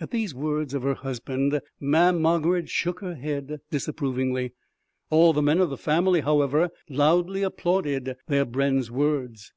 At these words of her husband Mamm' Margarid shook her head disapprovingly; all the men of the family, however, loudly applauded their brenn's words.